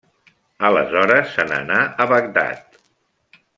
Aleshores se n'anà a Bagdad.